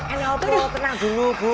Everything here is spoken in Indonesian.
enak tenang dulu bu